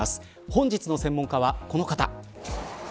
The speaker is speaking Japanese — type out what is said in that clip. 本日の専門家はこの方。